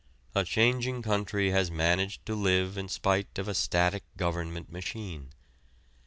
A changing country has managed to live in spite of a static government machine.